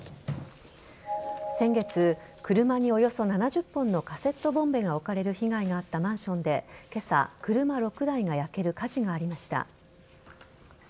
先月、車におよそ７０本のカセットボンベが置かれる被害があったマンションで今朝、車６台が焼ける火事がありました。